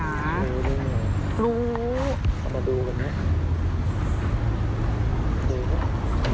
เอามาดูกันนะ